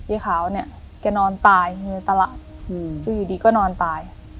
ไอ้ขาวเนี่ยแกนอนตายในตลาดก็อยู่ดีก็นอนตาย